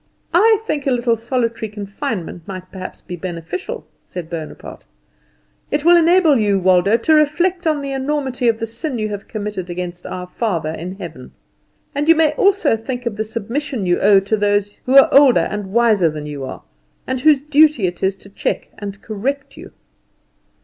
"I think a little solitary confinement might perhaps be beneficial," said Bonaparte. "It will enable you, Waldo, to reflect on the enormity of the sin you have committed against our Father in heaven. And you may also think of the submission you owe to those who are older and wiser than you are, and whose duty it is to check and correct you."